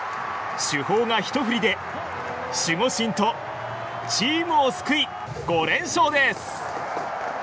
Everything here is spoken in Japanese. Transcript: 主砲がひと振りで守護神とチームを救い５連勝です。